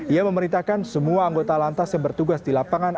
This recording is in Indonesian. ia memerintahkan semua anggota lantas yang bertugas di lapangan